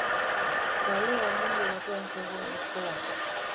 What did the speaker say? Kale aldendu batean zegoen eskola.